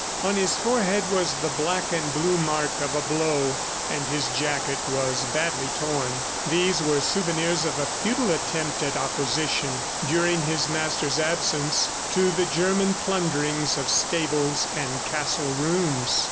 On his forehead was the black and blue mark of a blow, and his jacket was badly torn. These were souvenirs of a futile attempt at opposition, during his master's absence, to the German plundering of stables and castle rooms.